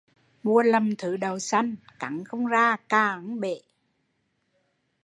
Mua lầm thứ đậu xanh “cắn không ra, cà không bể”